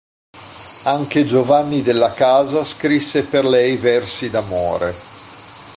Anche Giovanni Della Casa scrisse per lei versi d'amore.